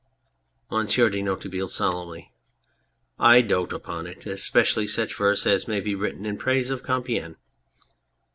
MONSIEUR DE NOIRETABLE (solemnly}. I dote upon it ! especially such verse as may be written in praise of Compiegne.